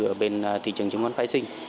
ở bên thị trường chứng khoán phái sinh